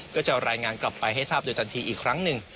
ก็จะรายงานกลับไปให้ทราบโดยทันทีอีกครั้งหนึ่ง